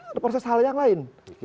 ada proses hal yang lain